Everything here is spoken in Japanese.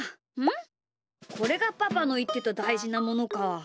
これがパパのいってただいじなものか。